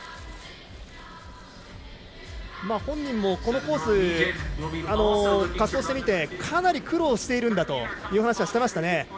本人もこのコース滑走してみてかなり苦労しているんだという話していましたね。